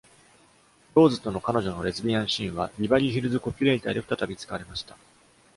ローズとの彼女のレズビアン・シーンは、「Beverly Hills Copulator」で再び使われました。